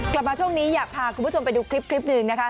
กลับมาช่วงนี้อยากพาคุณผู้ชมไปดูคลิปหนึ่งนะคะ